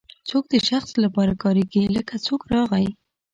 څوک د شخص لپاره کاریږي لکه څوک راغی.